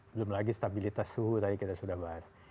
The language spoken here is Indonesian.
belum lagi stabilitas suhu tadi kita sudah bahas